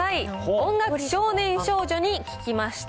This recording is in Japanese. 音楽少年少女に聞きました。